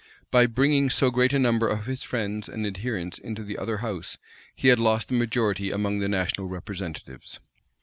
By bringing so great a number of his friends and adherents into the other house he had lost the majority among the national representatives.